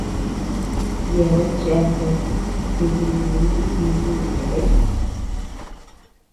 Yeabean cheate dininii itintu ñëʼe.